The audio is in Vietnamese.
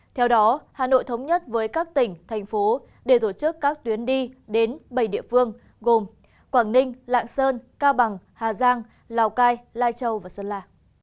theo đó hà nội thống nhất với các tỉnh thành phố để tổ chức các tuyến đi đến bảy địa phương gồm quảng ninh lạng sơn cao bằng hà giang lào cai lai châu và sơn la